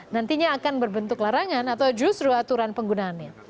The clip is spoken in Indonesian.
nantinya akan berbentuk larangan atau justru aturan penggunaannya